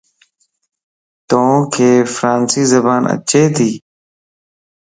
توک فرانسي زبان اچي تي؟